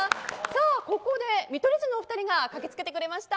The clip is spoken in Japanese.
ここで見取り図のお二人が駆けつけてくれました。